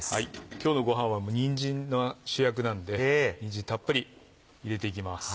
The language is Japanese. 今日のごはんはにんじんが主役なのでにんじんたっぷり入れていきます。